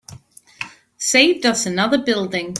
Saved us another building.